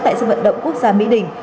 tại sân vận động quốc gia mỹ đình